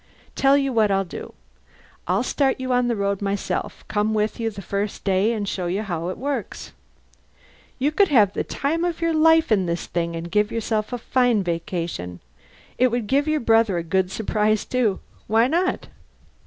Tell you what I'll do. I'll start you on the road myself, come with you the first day and show you how it's worked. You could have the time of your life in this thing, and give yourself a fine vacation. It would give your brother a good surprise, too. Why not?"